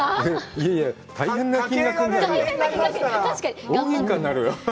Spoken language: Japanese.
いやいや、大変な金額になるよ。